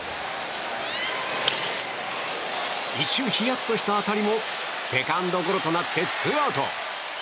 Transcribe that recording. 一瞬ヒヤッとした当たりもセカンドゴロとなってツーアウト。